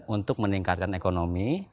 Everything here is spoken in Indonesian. untuk meningkatkan ekonomi